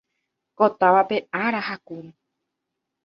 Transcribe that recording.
Ko távape ára hakumi.